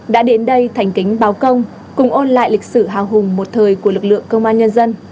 đã đến đây thành kính báo công cùng ôn lại lịch sử hào hùng một thời của lực lượng công an nhân dân